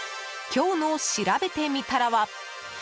今日のしらべてみたらは。